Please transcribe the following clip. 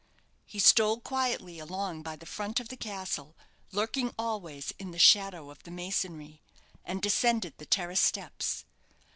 He stole quietly along by the front of the castle, lurking always in the shadow of the masonry, and descended the terrace steps.